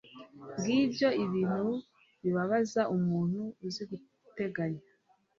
ngibyo ibintu bibabaza umuntu uzi guteganya